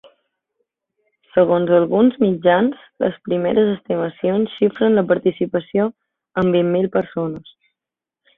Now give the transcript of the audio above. Segons alguns mitjans, les primeres estimacions xifren la participació en vint-mil persones.